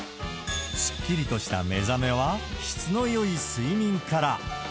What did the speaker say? すっきりとした目覚めは、質のよい睡眠から。